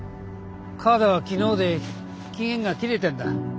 カードは昨日で期限が切れてんだ。